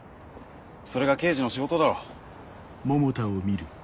それが刑事の仕事だろ。